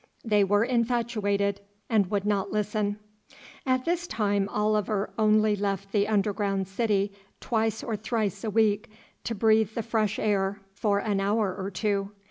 They were infatuated, and would not listen. At this time Oliver only left the underground city twice or thrice a week to breathe the fresh air for an hour or two.